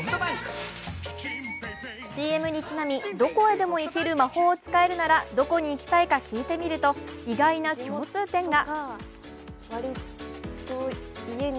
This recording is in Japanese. ＣＭにちなみ、どこへでも行ける魔法を使えるならどこに行きたいか聞いてみると意外な共通点が。